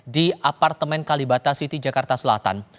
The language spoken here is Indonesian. di apartemen kalibata city jakarta selatan